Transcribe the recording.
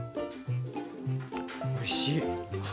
おいしい。